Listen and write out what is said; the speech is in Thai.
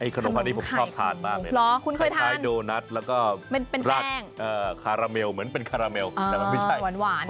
ขนมขาดนี้ผมชอบทานมากเลยนะครับใส่โดนัสแล้วก็ราดคาราเมลแต่มันไม่ใช่หวาน